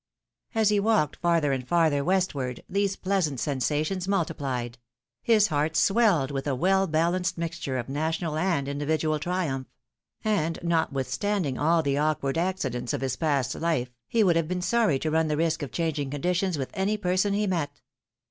As he walked farther and farther westward, these pleasant sensations multiphed; his heart swelled with a well balanced mixture of national and individual triumph; and, notwith standing all the awkward accidents of his past hfe, he would have been sorry to run the risk of changing conditions with any person he met.